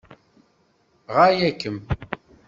Ɣaya-kem!